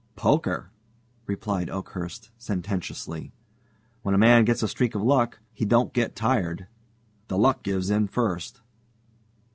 "Poker!" replied Oakhurst, sententiously; "when a man gets a streak of luck, nigger luck he don't get tired. The luck gives in first.